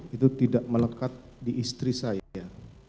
itu tidak melekat di istri saya